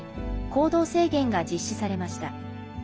行動制限が実施されました。